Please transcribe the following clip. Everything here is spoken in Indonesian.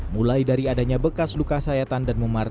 mulai dari adanya bekas luka sayatan dan memarkir